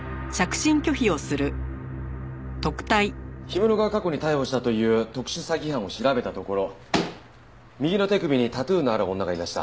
氷室が過去に逮捕したという特殊詐欺犯を調べたところ右の手首にタトゥーのある女がいました。